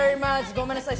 ごめんなさい。